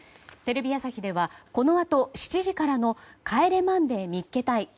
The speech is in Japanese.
テレビ朝日ではこのあと７時からの「帰れマンデー見っけ隊！！